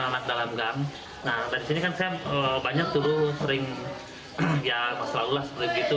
nah dari sini kan saya banyak dulu sering ya masalah ulas begitu